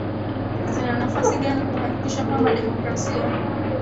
zina nafasi gani kuhakikisha kwamba demokrasia